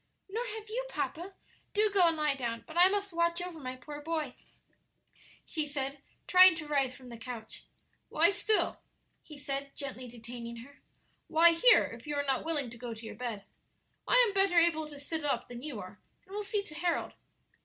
"Nor have you, papa; do go and lie down; but I must watch over my poor boy," she said, trying to rise from the couch. "Lie still," he said, gently detaining her; "lie here, if you are not willing to go to your bed. I am better able to sit up than you are, and will see to Harold."